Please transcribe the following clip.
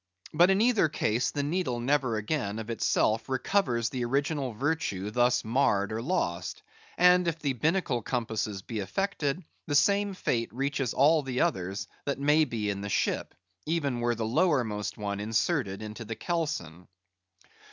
But in either case, the needle never again, of itself, recovers the original virtue thus marred or lost; and if the binnacle compasses be affected, the same fate reaches all the others that may be in the ship; even were the lowermost one inserted into the kelson.